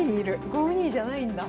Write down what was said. ５二じゃないんだ。